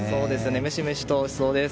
ムシムシとしそうです。